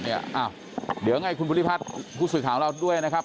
เดี๋ยวไงคุณบุริภาษณ์คุณสูตรถามเราด้วยนะครับ